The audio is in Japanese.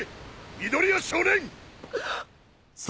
緑谷少年！